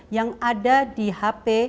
yang ada di hp